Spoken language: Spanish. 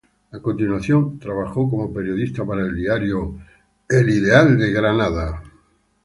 A continuación trabajó como periodista para el diario "Albany Advertiser".